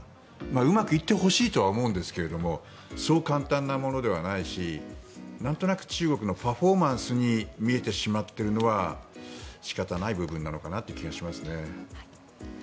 うまくいってほしいとは思うんですけれどもそう簡単なものではないしなんとなく中国のパフォーマンスに見えてしまってるのは仕方ない部分なのかなという気がします。